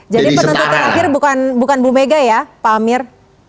jadi penentukan akhir bukan ibu mega ya pak amir